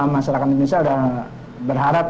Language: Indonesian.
masyarakat indonesia udah berharap